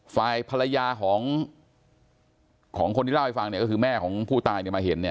ฝ่ายภรรยาของคนที่เล่าให้ฟังเนี่ยก็คือแม่ของผู้ตายมาเห็น